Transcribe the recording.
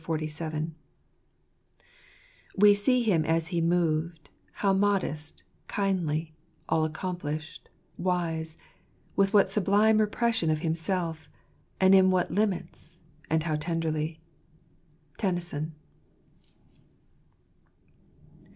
«* We see him as he moved, How modest, kindly, all accomplished, wise, With what sublime repression of himself, And in what limits, and how tenderly." Tennyson.